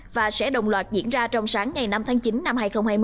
và sẽ đồng loạt diễn ra trong sáng ngày năm tháng chín năm hai nghìn hai mươi